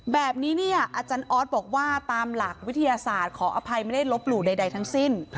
แบบนี้เนี่ยอาจารย์ออสบอกว่าตามหลักวิทยาศาสตร์ขออภัยไม่ได้ลบหลู่ใดทั้งสิ้น